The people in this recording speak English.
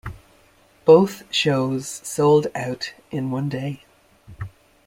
Both shows sold out in one day.